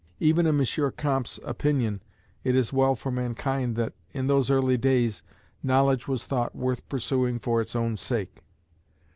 Even in M. Comte's opinion, it is well for mankind that, in those early days, knowledge was thought worth pursuing for its own sake.